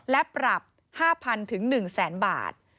และปรับ๕๐๐๐๑๐๐๐บาท